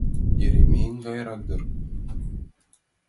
Еремейын гайрак дыр.